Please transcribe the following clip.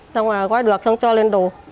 xong rồi quay được xong cho lên đồ